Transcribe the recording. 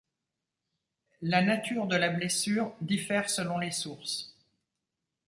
La nature de la blessure diffère selon les sources.